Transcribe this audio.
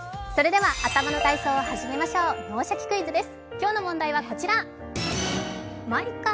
頭の体操を始めましょう、「脳シャキ！クイズ」です。